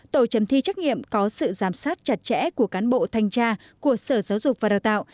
tổ chấm thi trắc nghiệm có sự giám sát chặt chẽ của cán bộ thanh tra của sở giáo dục và đào tạo